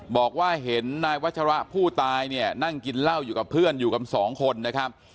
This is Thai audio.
บอกว่าเห็นนายวัชระผู้ตายเนี่ยนั่งกินเหล้าอยู่กับเพื่อนอยู่กันสองคนนะครับ